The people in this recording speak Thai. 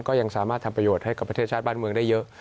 ก็ยังสามารถทำประโยชน์ให้กับประเทศชาติบ้านเมืองได้เยอะ